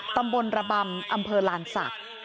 ตำบลระบำอำเภอลานศักดิ์